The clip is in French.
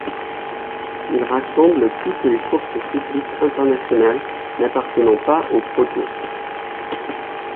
Ils rassemblent toutes les courses cyclistes internationales n'appartenant pas au ProTour.